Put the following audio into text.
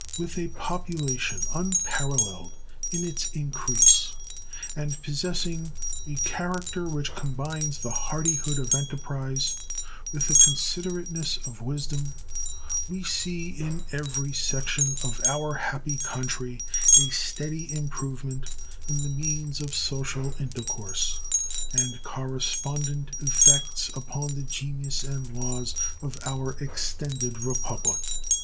With a population unparalleled in its increase, and possessing a character which combines the hardihood of enterprise with the considerateness of wisdom, we see in every section of our happy country a steady improvement in the means of social intercourse, and correspondent effects upon the genius and laws of our extended Republic.